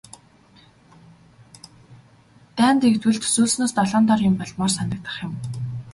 Дайн дэгдвэл төсөөлснөөс долоон доор юм болмоор санагдах юм.